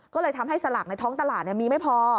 ก็เลยทำให้สลากในท้องตลาดมีไม่พอ